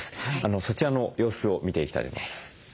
そちらの様子を見ていきたいと思います。